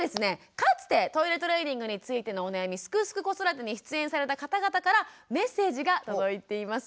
かつてトイレトレーニングについてのお悩み「すくすく子育て」に出演された方々からメッセージが届いています。